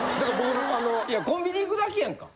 コンビニ行くだけやんか。